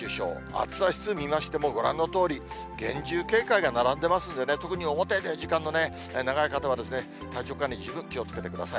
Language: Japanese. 暑さ指数見ましても、ご覧のとおり、厳重警戒が並んでますんでね、特に表出る時間の長い方はですね、体調管理、十分気をつけてください。